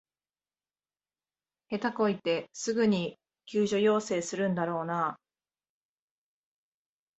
下手こいてすぐに救助要請するんだろうなあ